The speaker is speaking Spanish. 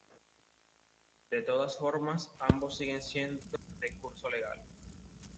De todas formas, ambos siguen siendo de curso legal.